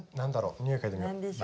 匂い嗅いでみよう。